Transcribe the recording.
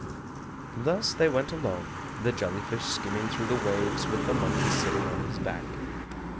Thus they went along, the jelly fish skimming through the waves with the monkey sitting on his back.